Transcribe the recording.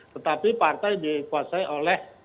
tetapi partai dikuasai oleh